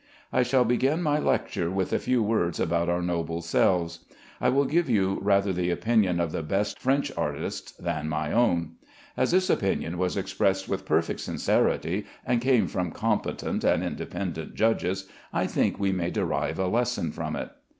I shall begin my lecture with a few words about our noble selves. I will give you rather the opinion of the best French artists than my own. As this opinion was expressed with perfect sincerity, and came from competent and independent judges, I think we may derive a lesson from it.